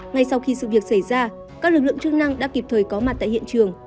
ngay sau khi sự việc xảy ra các lực lượng chức năng đã kịp thời có mặt tại hiện trường